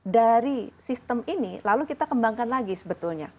dari sistem ini lalu kita kembangkan lagi sebetulnya